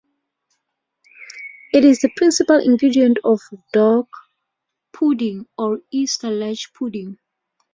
It is the principal ingredient of dock pudding or Easter-Ledge Pudding.